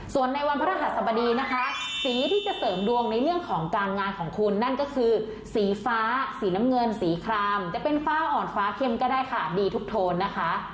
ส่วนในวันพระรหัสบดีนะคะสีที่จะเสริมดวงในเรื่องของการงานของคุณนั่นก็คือสีฟ้าสีน้ำเงินสีครามจะเป็นฟ้าอ่อนฟ้าเข้มก็ได้ค่ะดีทุกโทนนะคะ